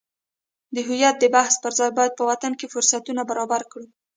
د هویت د بحث پرځای باید په وطن کې فرصتونه برابر کړو.